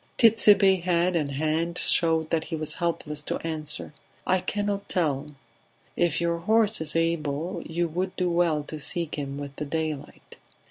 Tit'Sebe's head and hand showed that he was helpless to answer. "I cannot tell ... If your horse is able you would do well to seek him with the daylight."